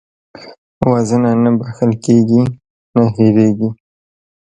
وژنه نه بښل کېږي، نه هېرېږي